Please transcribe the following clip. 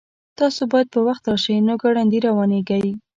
تاسو باید په وخت راشئ نو ګړندي روانیږئ